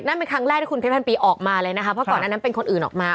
นั่นเป็นครั้งแรกที่คุณเพชรพันปีออกมาเลยนะคะเพราะก่อนอันนั้นเป็นคนอื่นออกมา